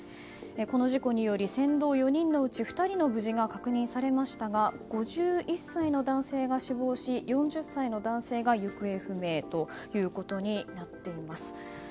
この事故により船頭４人のうち２人が無事が確認されましたが５１歳の男性が死亡し４０歳の男性が行方不明ということになっています。